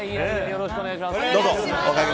よろしくお願いします。